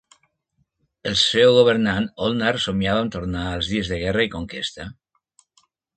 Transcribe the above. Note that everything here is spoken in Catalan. El seu governant Olnar somiava amb tornar als dies de guerra i conquesta.